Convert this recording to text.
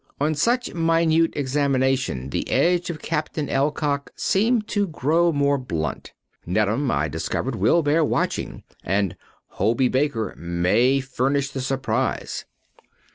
On such minute examination the edge of Captain Alcock seemed to grow more blunt. "Neddam," I discovered, "will bear watching," and "Hobey Baker may furnish the surprise."